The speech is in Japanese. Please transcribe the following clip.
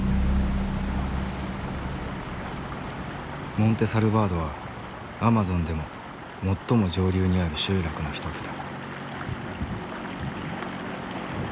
モンテ・サルバードはアマゾンでも最も上流にある集落の一つだ。